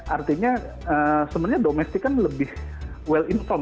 artinya sebenarnya domestik kan lebih well informe